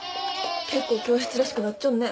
結構教室らしくなっちょんね。